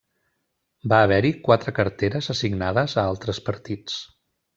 Va haver-hi quatre carteres assignades a altres partits.